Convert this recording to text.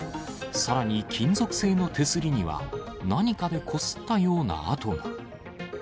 さらに金属製の手すりには、何かでこすったような跡が。